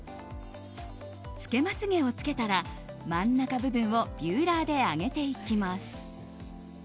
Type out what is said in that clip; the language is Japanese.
つけまつ毛をつけたら真ん中部分をビューラーで上げていきます。